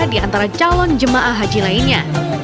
di antara calon jemaah haji lainnya